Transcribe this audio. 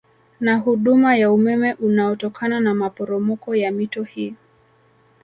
Na huduma ya umeme unaotokana na maporomoko ya mito hii